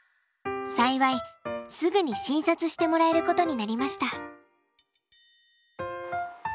幸いすぐに診察してもらえることになりました。